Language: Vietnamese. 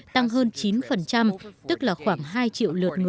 tăng hơn chín tức là khoảng hai triệu lượt